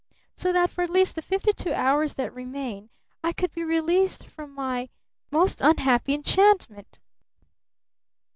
So that for at least the fifty two hours that remain, I could be released from my most unhappy enchantment."